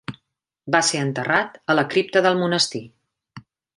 Va ser enterrat a la cripta del monestir.